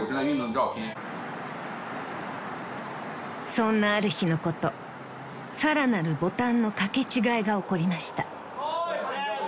［そんなある日のことさらなるボタンの掛け違いが起こりました］